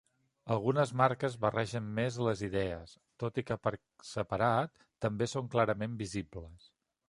Algunes marques barregen més les idees, tot i que per separat també són clarament visibles.